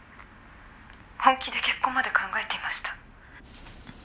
「本気で結婚まで考えていました」